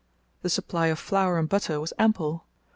The supply of flour and butter was ample.